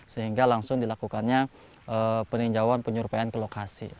sehingga langsung dilakukannya peninjauan penyerpayan ke lokasi